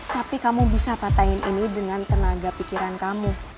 tapi kamu bisa patahin ini dengan tenaga pikiran kamu